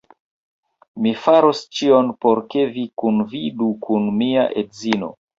Mi faros ĉion por ke vi kunvidu kun mia edzino